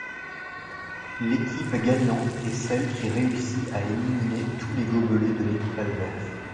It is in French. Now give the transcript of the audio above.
L'équipe gagnante est celle qui réussit à éliminer tous les gobelets de l'équipe adverse.